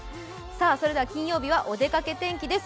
それでは金曜日はお出かけ天気です。